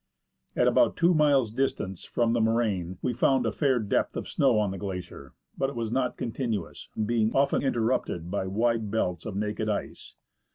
At about two miles' distance from the moraine, we found a fair depth of snow on the glacier, but it was not continuous, being often interrupted by wide belts of naked ice.